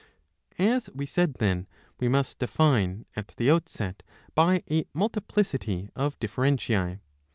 As we said then, we must define at the outset by a multi plicity of differentiae.